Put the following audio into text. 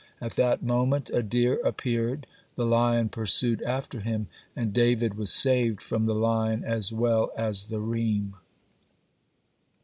At that moment a deer appeared. The lion pursued after him, and David was saved from the lion as well as the reem.